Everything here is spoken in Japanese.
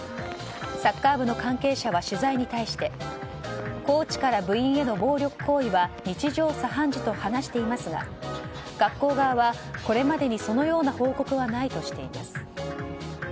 サッカー部の関係者は取材に対してコーチから部員への暴力行為は日常茶飯事と話していますが学校側はこれまでにそのような報告はないとしています。